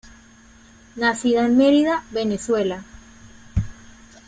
Nacida en Merida, Venezuela.